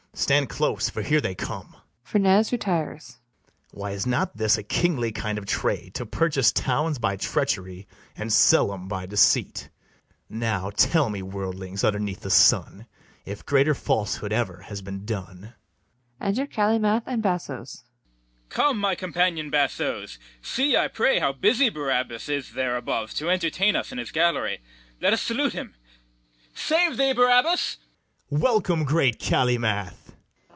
Stand close, for here they come. [FERNEZE retires.] Why, is not this A kingly kind of trade, to purchase towns By treachery, and sell 'em by deceit? Now tell me, worldlings, underneath the sun If greater falsehood ever has been done? Enter CALYMATH and BASSOES. CALYMATH. Come, my companion bassoes: see, I pray, How busy Barabas is there above To entertain us in his gallery: Let us salute him. Save thee, Barabas! BARABAS. Welcome, great Calymath!